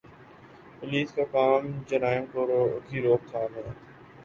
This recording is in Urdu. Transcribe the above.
پولیس کا کام جرائم کی روک تھام ہے۔